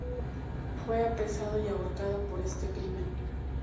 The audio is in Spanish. Fue apresado y ahorcado por este crimen.